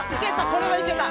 これはいけた。